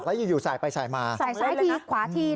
แล้วอยู่สายไปสายมาสายซ้ายทีขวาที